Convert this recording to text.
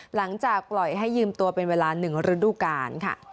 หลังจากปล่อยให้ยืมตัวเป็นเวลา๑ฤดูกาลค่ะ